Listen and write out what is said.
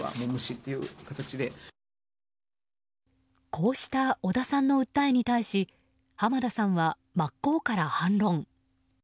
こうした織田さんの訴えに対し濱田さんは真っ向から反論。